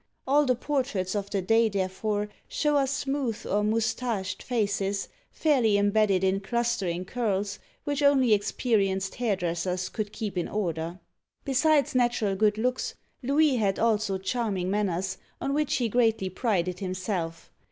All the portraits of the day, therefore, show us smooth or mustached faces, fairly embedded in clustering curls, which only experienced hairdressers could keep in order. Besides natural good looks, Louis had also charming manners, on which he greatly prided himself.